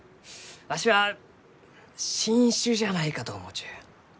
わしは新種じゃないかと思うちゅう。